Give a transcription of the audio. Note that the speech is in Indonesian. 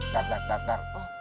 dar dar dar dar